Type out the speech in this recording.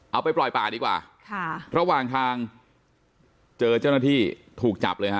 เอาไปปล่อยป่าดีกว่าค่ะระหว่างทางเจอเจ้าหน้าที่ถูกจับเลยฮะ